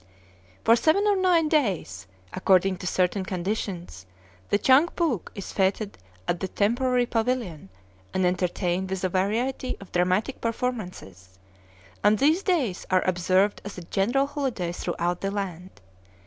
For seven or nine days, according to certain conditions, the Chang Phoouk is fêted at the temporary pavilion, and entertained with a variety of dramatic performances; and these days are observed as a general holiday throughout the land.